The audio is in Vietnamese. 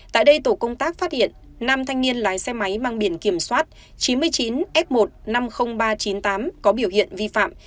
tại đây tổ công tác phát hiện năm thanh niên lái xe máy mang biển kiểm soát chín mươi chín f một trăm năm mươi nghìn ba trăm chín mươi tám có biểu hiện vi phạm